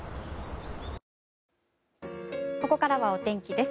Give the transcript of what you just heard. ここからはお天気です。